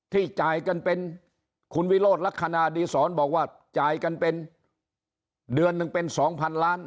จ่ายกันเป็นคุณวิโรธลักษณะดีศรบอกว่าจ่ายกันเป็นเดือนหนึ่งเป็น๒๐๐๐ล้าน